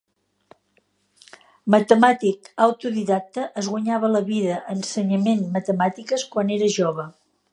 Matemàtic autodidacte, es guanyava la vida ensenyament matemàtiques quan era jove.